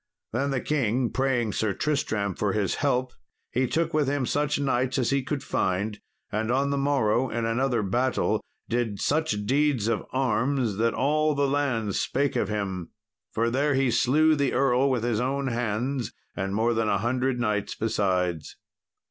Then the king praying Sir Tristram for his help, he took with him such knights as he could find, and on the morrow, in another battle, did such deeds of arms that all the land spake of him. For there he slew the earl with his own hands, and more than a hundred knights besides.